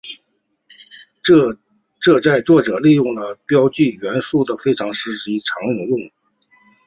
这在作者利用了标记元素时非常有用。